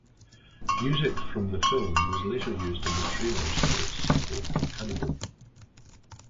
Music from the film was later used in the trailers for its sequel, "Hannibal".